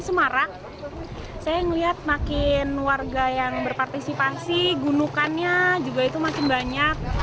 semarak saya ngeliat makin warga yang berpartisipasi gunungannya juga itu makin banyak